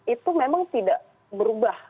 itu memang tidak berubah